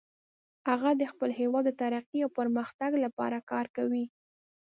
هغه د خپل هیواد د ترقۍ او پرمختګ لپاره کار کوي